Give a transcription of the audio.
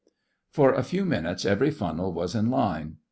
For a few minutes every funnel was in line.